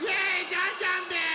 ジャンジャンです！